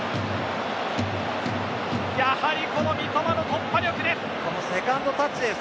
やはりこの三笘の突破力です！